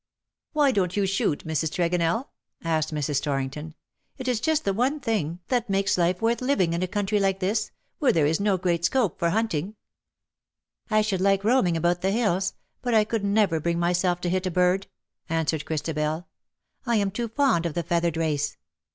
." Why don't you shoot, Mrs. Tregonell ?" asked Mrs. Torrington ;" it is just the one thing that 166 makes life worth living in a country like this^ where there is no great scope for hunting/ '" I should like roaming about the hills, but I could never bring myself to hit a bird/^ answered Christabel. '^ I am too fond of the feathered race.